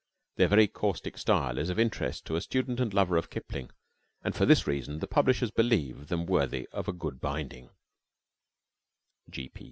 Their very caustic style is of interest to a student and lover of Kipling, and for this reason the publishers believe them worthy of a good binding.